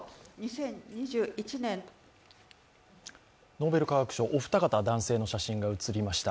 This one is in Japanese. ノーベル化学賞、お二方男性の写真がうつりました。